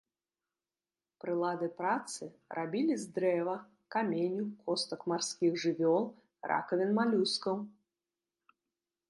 Прылады працы рабілі з дрэва, каменю, костак марскіх жывёл, ракавін малюскаў.